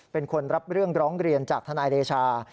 เป็นคนรับเรื่องร้องเรียนจากทนายเดชา